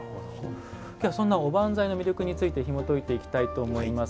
今日は、そんなおばんざいの魅力についてひもといていきたいと思います。